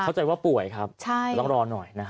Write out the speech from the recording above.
เข้าใจว่าป่วยครับต้องรอหน่อยนะฮะ